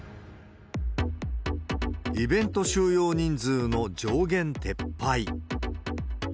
イベント収容人数の上限撤廃。